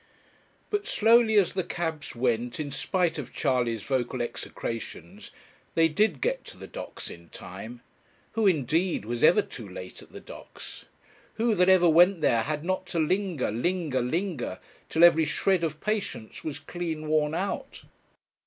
But slowly as the cabs went in spite of Charley's vocal execrations, they did get to the docks in time. Who, indeed, was ever too late at the docks? Who, that ever went there, had not to linger, linger, linger, till every shred of patience was clean worn out?